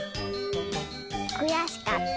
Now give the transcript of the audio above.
くやしかった。